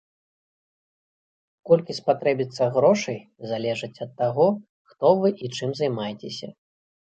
Колькі спатрэбіцца грошай, залежыць ад таго, хто вы і чым займаецеся.